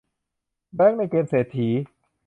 แบงก์ในเกมเศรษฐี